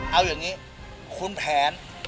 เอาอย่างนี้คุณแผน